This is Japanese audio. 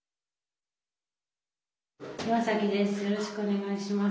岩崎です。